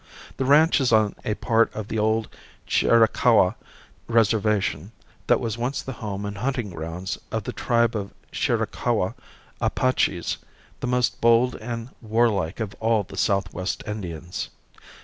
The ranch is on a part of the old Chiricahua reservation that was once the home and hunting grounds of the tribe of Chiricahua Apaches, the most bold and warlike of all the southwest Indians.